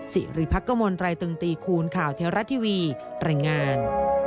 สิริพักกมลไตรตึงตีคุณข่าวเที่ยวรัฐทีวีแรงงาน